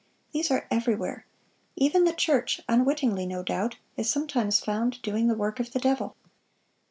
These are everywhere. Even the church (unwittingly, no doubt) is sometimes found doing the work of the devil.